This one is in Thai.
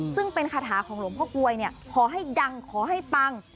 ซึ่งเป็นคาถาของหลวงพ่อกลวยเนี่ยขอให้ดังขอให้ปัง